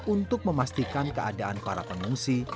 untuk memastikan keadaan para pengungsi